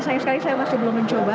sayang sekali saya masih belum mencoba